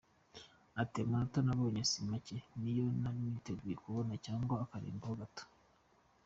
Ati “Amanota nabonye si make, niyo nari niteguye kubona cyangwa akarengaho gato.